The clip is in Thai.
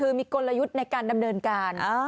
คือมีกลยุทธ์ในการดำเนินการ